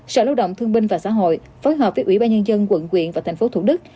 sở lao động thương minh và xã hội phối hợp với ủy ban nhân dân tp hcm và tp hcm